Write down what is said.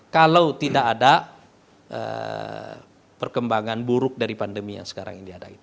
kalau tidak ada perkembangan buruk dari pandemi yang sekarang ini ada itu